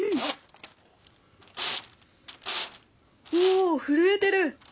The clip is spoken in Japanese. お震えてる！